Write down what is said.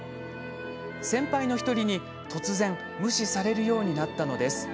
先輩の１人に、突然無視されるようになったのです。